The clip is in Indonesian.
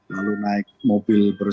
lalu naik mobil bersama